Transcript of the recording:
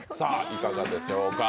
いかがでしょうか？